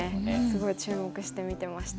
すごい注目して見てました。